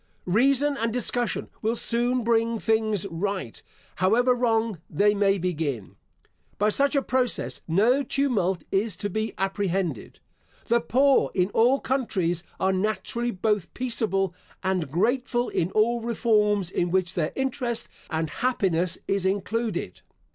Reason and discussion will soon bring things right, however wrong they may begin. By such a process no tumult is to be apprehended. The poor, in all countries, are naturally both peaceable and grateful in all reforms in which their interest and happiness is included.